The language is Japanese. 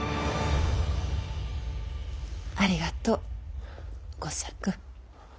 ありがとう吾作。